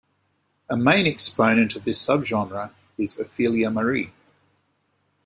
A main exponent of this subgenre is Ophelia Marie.